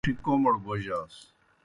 تھوئے پِڇِی کوْمَڑ بوجاسوْ۔